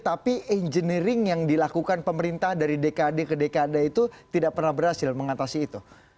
tapi engineering yang dilakukan pemerintah dari dekade ke dekade itu tidak pernah berhasil mengatasi itu